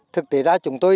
thực tế ra chúng tôi